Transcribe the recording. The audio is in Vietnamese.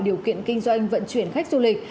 điều kiện kinh doanh vận chuyển khách du lịch